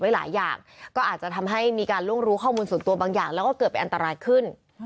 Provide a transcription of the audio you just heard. หลายอย่างก็อาจจะทำให้มีการล่วงรู้ข้อมูลส่วนตัวบางอย่างแล้วก็เกิดเป็นอันตรายขึ้น